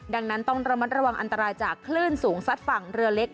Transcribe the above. ดังนั้นต้องระมัดระวังอันตรายจากคลื่นสูงซัดฝั่งเรือเล็ก